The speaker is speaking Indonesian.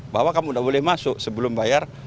bahwa kamu tidak boleh masuk sebelum bayar